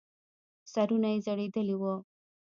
سرونه يې ځړېدلې وو.